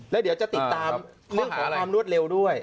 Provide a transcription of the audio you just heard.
แล้วเดี๋ยวจะติดตามเรื่องของความรวดเร็วด้วย